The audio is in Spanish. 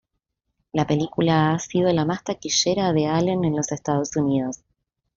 La película ha sido la más taquillera de Allen en los Estados Unidos.